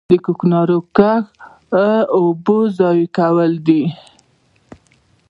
د کوکنارو کښت اوبه ضایع کوي.